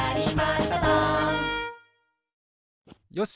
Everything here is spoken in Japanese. よし！